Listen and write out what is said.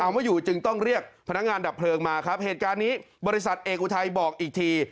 เอาไม่อยู่จึงต้องเรียกพนักงานดับเพลิงมาครับเหตุการณ์นี้บริษัทเอกอุทัยบอกอีกที